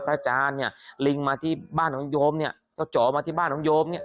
อาจารย์เนี่ยลิงมาที่บ้านของโยมเนี่ยก็เจาะมาที่บ้านของโยมเนี่ย